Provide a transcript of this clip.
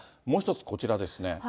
もう一つ、こちらですね。